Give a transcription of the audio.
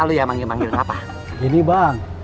itu sudah sepenuhnya sudah agak m nich passengers